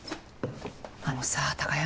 あのさ貴山。